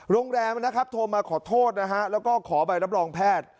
โรงแรมนะครับโทรมาขอโทษนะฮะแล้วก็ขอใบรับรองแพทย์